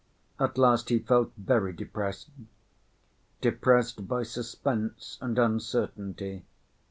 At last he felt very depressed—depressed by suspense and uncertainty.